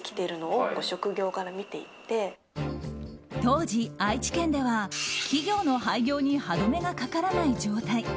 当時、愛知県では企業の廃業に歯止めがかからない状態。